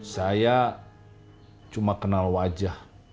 saya cuma kenal wajah